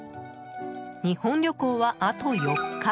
日本旅行は、あと４日。